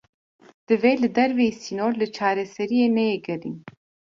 Divê li derveyî sînor, li çareseriyê neyê gerîn